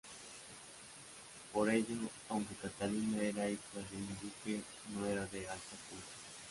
Por ello, aunque Catalina era hija de un duque, no era de alta cuna.